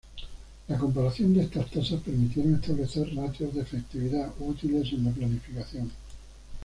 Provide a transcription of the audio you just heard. La comparación de estas tasas permitieron establecer "ratios de efectividad" útiles en la planificación.